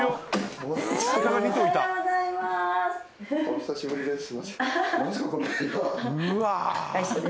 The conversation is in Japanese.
お久しぶりです。